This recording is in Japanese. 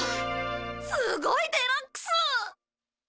すごいデラックス！